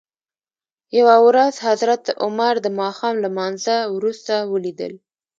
یوه ورځ حضرت عمر دماښام لمانځه وروسته ولید ل.